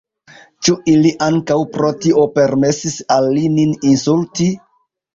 Ĉu ili ankaŭ pro tio permesis al li nin insulti?